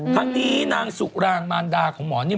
ทั้งนี้นางสุรางมารดาของหมอนิ่ม